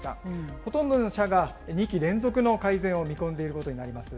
ほとんどの社が２期連続の改善を見込んでいることになります。